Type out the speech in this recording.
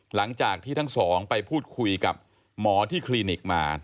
หลังจากที่ทั้งสองไปพูดคุยกับหมอที่คลินิกมา